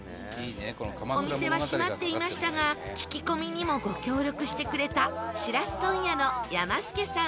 お店は閉まっていましたが聞き込みにもご協力してくれたしらす問屋の山助さん。